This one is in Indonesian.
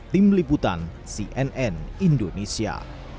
tim liputan cnn indonesia